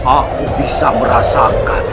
aku bisa merasakan